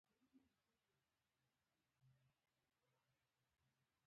ما ورته وويل ايمان له شغل سره نه له زړه سره تړلى وي.